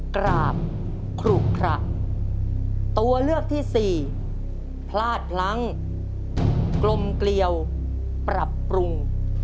กราบขลุขระตัวเลือกที่สี่พลาดพลั้งกลมเกลียวปรับปรุง